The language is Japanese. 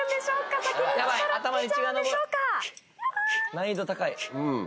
難易度高い。